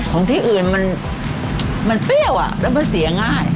ของที่อื่นมันเปรี้ยวแล้วมันเสียง่าย